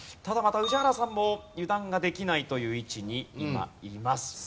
ただまた宇治原さんも油断ができないという位置に今います。